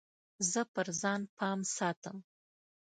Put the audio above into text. زه پر ځان پام ساتم.